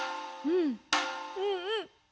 うんうん。